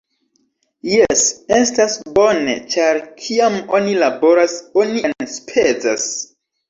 Jes, estas bone ĉar kiam oni laboras oni enspezas